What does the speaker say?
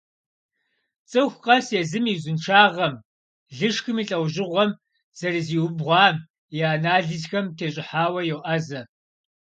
ЦӀыху къэс езым и узыншагъэм, лышхым и лӀэужьыгъуэм, зэрызиубгъуам, и анализхэм тещӀыхьауэ йоӀэзэ.